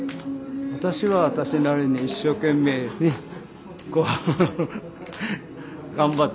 私は私なりに一生懸命ね頑張っていくけれど。